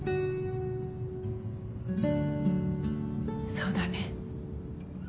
そうだね。